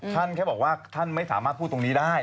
แค่บอกว่าท่านไม่สามารถพูดตรงนี้ได้